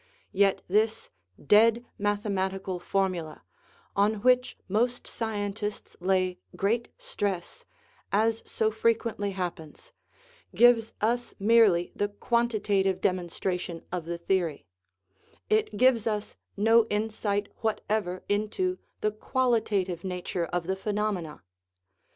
Yet this dead mathematical formula, on which most scientists lay great stress, as so frequently happens, gives us merely the quantitative demonstration of the theory; it gives us no insight whatever into the qualitative nature of the phenomena.